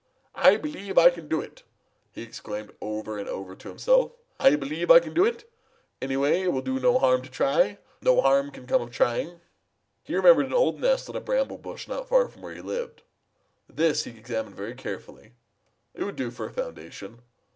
"'I believe I can do it!' he exclaimed over and over to himself. 'I believe I can do it! Any way, it will do no harm to try. No harm can come of trying.' "He remembered an old nest in a bramble bush not far from where he lived. This he examined very carefully. It would do for a foundation.